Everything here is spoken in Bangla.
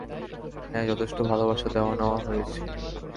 হ্যা, যথেষ্ট ভালবাসা দেওয়া-নেওয়া হয়েছে।